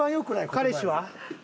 彼氏は？